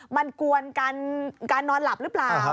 มันกวนการนอนหลับหรือเปล่า